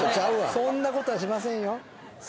そんなことはしませんよ。